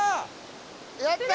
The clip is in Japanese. やった！